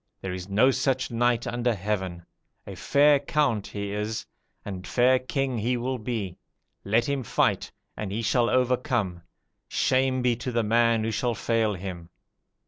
There is no such knight under heaven! a fair count he is, and fair king he will be. Let him fight, and he shall overcome: shame be to the man who shall fail him.'